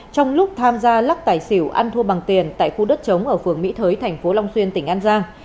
trong lúc tham gia lắc tài xỉu ăn thua bằng tiền tại khu đất chống ở phường mỹ thới thành phố long xuyên tỉnh an giang